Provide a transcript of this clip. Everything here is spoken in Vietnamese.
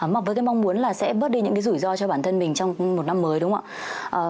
mà với cái mong muốn là sẽ bớt đi những cái rủi ro cho bản thân mình trong một năm mới đúng không ạ